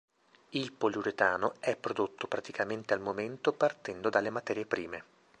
Il poliuretano è prodotto praticamente al momento partendo dalle materie prime.